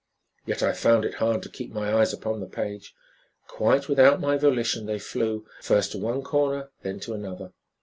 Yet I found it hard to keep my eyes upon the page. Quite without my volition they flew, first to one corner, then to another.